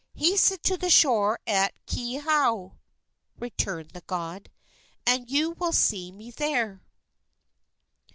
"Hasten to the shore at Keauhou," returned the god, "and you will see me there."